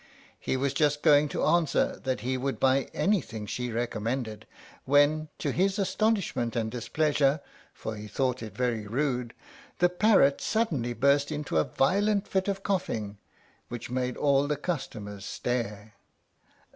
he was just going to answer that he would buy anything she recommended, when, to his astonishment and displeasure, for he thought it very rude, the parrot suddenly burst into a violent fit of coughing, which made all the customers stare.